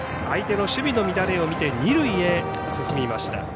相手の守備の乱れを見て二塁へ進みました。